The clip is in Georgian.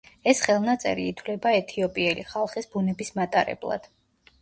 ეს ხელნაწერი ითვლება ეთიოპიელი ხალხის ბუნების მატარებლად.